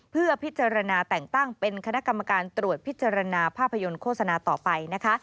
เพื่อพิจารณาแต่งตั้งเป็นคณะกรรมการตรวจพิจารณาภาพยนตร์โฆษณาต่อไปนะคะ